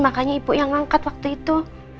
makanya ibu yang ngangkat waktu itu